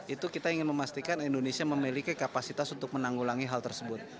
itu kita ingin memastikan indonesia memiliki kapasitas untuk menanggulangi hal tersebut